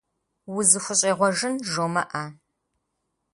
УзыхущӀегъуэжын жумыӀэ.